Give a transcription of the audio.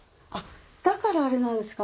だからあれなんですか？